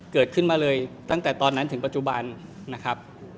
เกิดขึ้นมาเลยตั้งแต่ตอนนั้นถึงปัจจุบันนะครับ